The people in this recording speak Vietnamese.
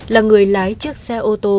là người lái chiếc xe ô tô